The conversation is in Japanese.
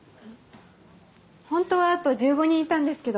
本当はあと１５人いたんですけど。